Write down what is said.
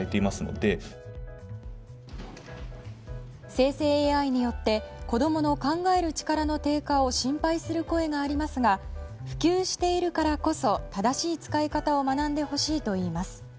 生成ＡＩによって子供の考える力の低下を心配する声がありますが普及しているからこそ正しい使い方を学んでほしいといいます。